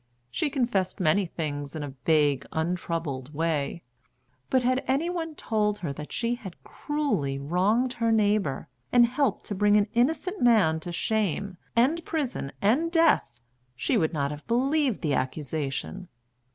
She confessed many things in a vague, untroubled way; but had any one told her that she had cruelly wronged her neighbour, and helped to bring an innocent man to shame, and prison, and death, she would not have believed the accusation.